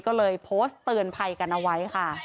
ก็เลยโพสต์เตือนภัยกันเอาไว้ค่ะ